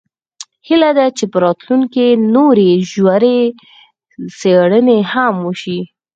هیله ده چې په راتلونکي کې نورې ژورې څیړنې هم وشي